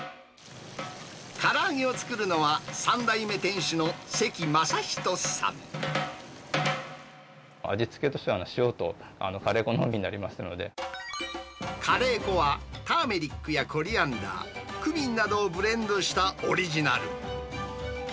から揚げを作るのは、味付けとしては塩とカレー粉カレー粉は、ターメリックやコリアンダー、クミンなどをブレンドしたオリジナル。